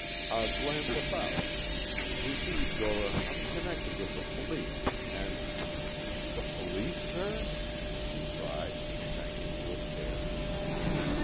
"A glance about. You see, Dora, I'm connected with the police and——" "The police, sir!" she cried, and sank into a chair.